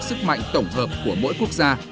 sức mạnh tổng hợp của mỗi quốc gia